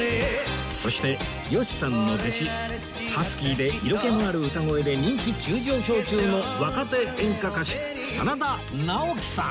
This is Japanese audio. そして吉さんの弟子ハスキーで色気のある歌声で人気急上昇中の若手演歌歌手真田ナオキさん